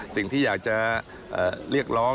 สิ่งที่อยากจะเรียกร้อง